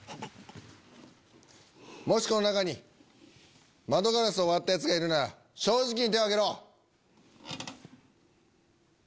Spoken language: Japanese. もしこの中に窓ガラスを割ったヤツがいるなら正直に手を挙げろ。